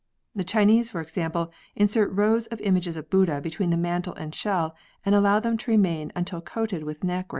The Chinese, for example, insert rows of images of Buddha between the mantle and shell and allow them to remain until coated with nacre.